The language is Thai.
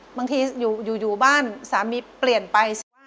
บางทีอยู่บ้านสามีเปลี่ยนไป